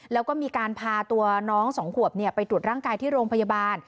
แล้วก็มีการพาตัวน้อง๒ขวบไปตรวจร่างกายที่โรงพยาบาล